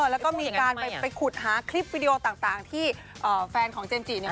แล้วก็มีการไปขุดหาคลิปวิดีโอต่างที่แฟนของเจมส์จิเนี่ย